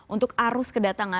untuk arus kedatangan